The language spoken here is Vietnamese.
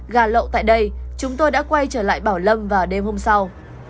cảm ơn các bạn đã theo dõi và hẹn gặp lại